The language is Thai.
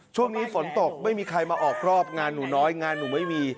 ช่วงนี้ฝนตกไม่มีใครมาออกรอบงานหนูน้อยงานหนูไม่มี